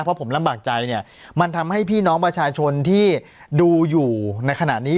เพราะผมลำบากใจเนี่ยมันทำให้พี่น้องประชาชนที่ดูอยู่ในขณะนี้